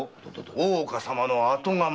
大岡様の後釜。